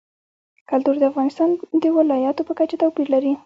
کلتور د افغانستان د ولایاتو په کچه توپیر لري.